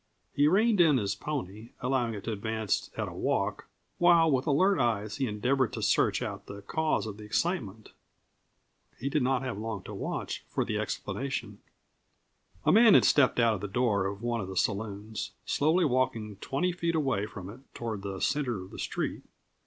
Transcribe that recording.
He reined in his pony, allowing it to advance at a walk, while with alert eyes he endeavored to search out the cause of the excitement. He did not have long to watch for the explanation. A man had stepped out of the door of one of the saloons, slowly walking twenty feet away from it toward the center of the street.